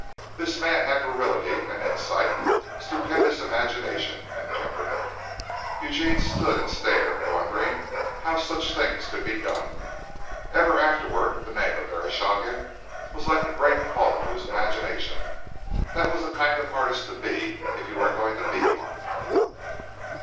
This man had virility and insight; stupendous imagination and temperament. Eugene stood and stared, wondering how such things could be done. Ever afterward the name of Verestchagin was like a great call to his imagination; that was the kind of an artist to be if you were going to be one.